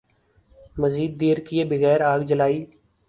مزید دیر کئے بغیر آگ جلائی ۔